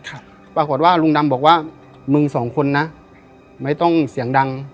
ปรากฏว่าลุงดำบอกว่ามึงสองคนนะไม่ต้องเสียงดัง